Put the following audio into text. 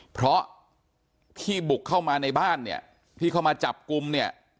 เพราะที่บุกเข้ามาในบ้านเนี่ยที่เข้ามาจับกลุ่มเนี่ย